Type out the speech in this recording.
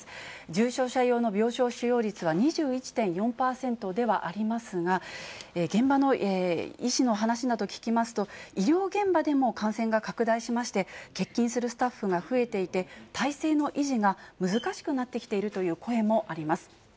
重症者用の病床使用率は、２１．４％ではありますが、現場の医師の話など聞きますと、医療現場でも感染が拡大しまして、欠勤するスタッフが増えていて、体制の維持が難しくなってきているという声もあります。